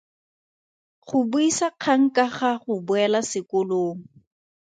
Go buisa kgang ka ga go boela sekolong.